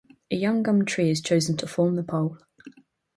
A young gum tree is chosen to form the pole.